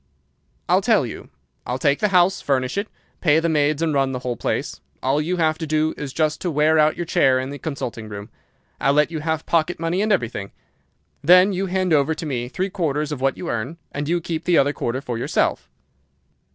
"'I'll tell you. I'll take the house, furnish it, pay the maids, and run the whole place. All you have to do is just to wear out your chair in the consulting room. I'll let you have pocket money and everything. Then you hand over to me three quarters of what you earn, and you keep the other quarter for yourself.